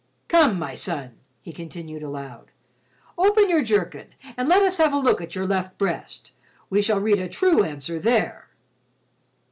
"Come, my son," he continued aloud, "open your jerkin and let us have a look at your left breast, we shall read a true answer there."